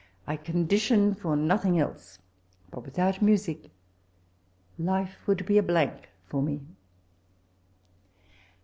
I con dition for nothing else; but, without music, life would be a blank to me."